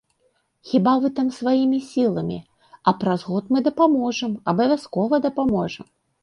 Хіба вы там сваімі сіламі, а праз год мы дапаможам, абавязкова дапаможам!